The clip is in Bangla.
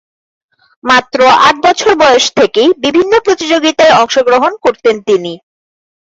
মাত্র আট বছর বয়স থেকেই বিভিন্ন প্রতিযোগীতায় অংশগ্রহণ করতেন তিনি।